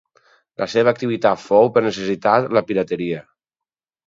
La seva activitat fou, per necessitat, la pirateria.